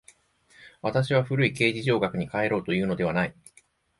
私は古い形而上学に還ろうというのではない。